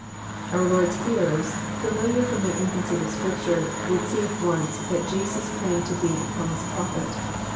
Our Lord's hearers, familiar from their infancy with Scripture, would see at once that Jesus claimed to be the promised Prophet.